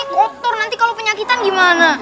kotor nanti kalau penyakitan gimana